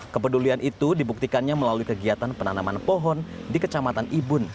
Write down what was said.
kepedulian itu dibuktikannya melalui kegiatan penanaman pohon di kecamatan ibun